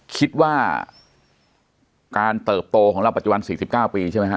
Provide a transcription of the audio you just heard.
คิดว่าการเติบโตของเราปัจจุบัน๔๙ปีใช่ไหมฮ